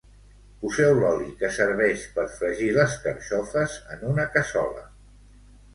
Poseu l'oli que serveix per fregir les carxofes en una cassola.